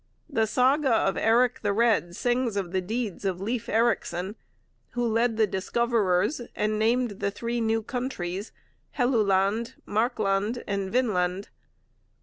The saga of Eric the Red sings of the deeds of Leif Ericson, who led the discoverers and named the three new countries Helluland, Markland, and Vineland.